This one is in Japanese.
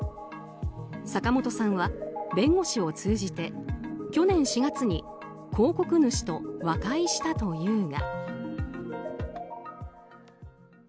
坂本さんは、弁護士を通じて去年４月に広告主と和解したというが。